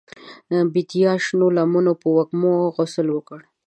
د بیدیا شنو لمنو په وږمو غسل وکړ